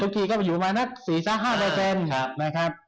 ทุกทีก็อยู่ประมาณสี่สัก๕นะครับ